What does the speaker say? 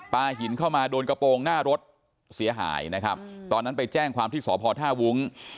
ปลาหินเข้ามาโดนกระโปรงหน้ารถเสียหายตอนนั้นไปแจ้งความที่สอบห่อท่าวุ้ง